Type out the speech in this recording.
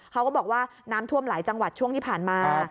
เขาก็บอกว่าน้ำท่วมหลายจังหวัดช่วงที่ผ่านมา